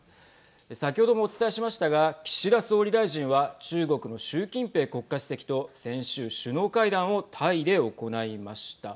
先ほどもお伝えしましたが岸田総理大臣は中国の習近平国家主席と先週、首脳会談をタイで行いました。